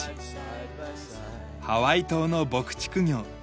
ハワイ島の牧畜業。